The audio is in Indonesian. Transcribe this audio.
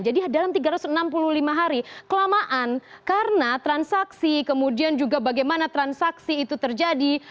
jadi dalam tiga ratus enam puluh lima hari kelamaan karena transaksi kemudian juga bagaimana transaksi itu terjadi